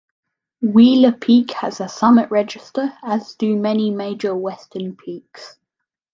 Wheeler Peak has a summit register as do many major western peaks.